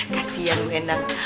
kasian lu enak